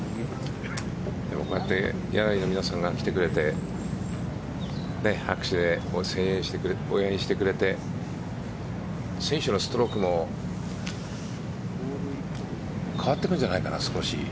こうやってギャラリーの皆さんが来てくれて拍手で応援してくれて選手のストロークも変わってくるんじゃないかな少し。